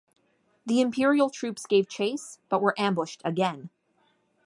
The imperial troops gave chase but were ambushed again.